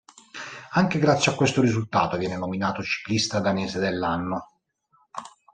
Anche grazie a questo risultato viene nominato ciclista danese dell'anno.